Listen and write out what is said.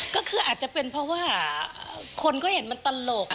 ก็คืออาจจะเป็นเพราะว่าคนก็เห็นมันตลก